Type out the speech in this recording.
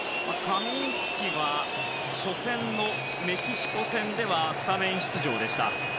カミンスキは初戦のメキシコ戦ではスタメン出場でした。